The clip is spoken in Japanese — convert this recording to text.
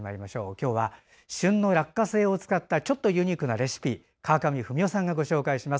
今日は旬の落花生を使ったちょっとユニークなレシピを川上文代さんがご紹介します。